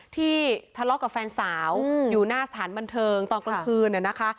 ที่ทะเลาะกับแฟนสาวอยู่หน้าสถานบันเทิงตอนกลางคืนนะคะ